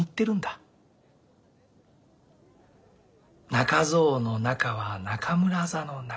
中蔵の中は中村座の中。